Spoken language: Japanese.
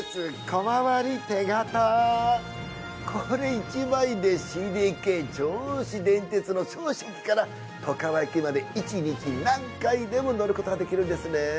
これ１枚でＣＤＫ銚子電鉄の銚子から外川駅まで１日何回でも乗ることができるんですね。